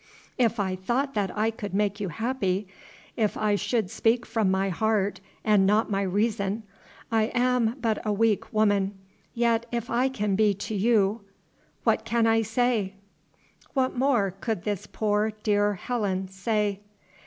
"If I thought that I could make you happy, if I should speak from my heart, and not my reason, I am but a weak woman, yet if I can be to you What can I say?" What more could this poor, dear Helen say?